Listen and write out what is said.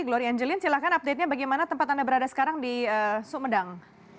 glory angeline silahkan update nya bagaimana tempat anda berada sekarang di sumedang